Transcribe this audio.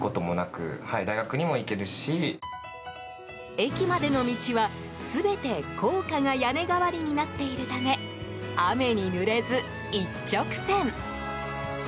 駅までの道は、全て高架が屋根代わりになっているため雨にぬれず、一直線！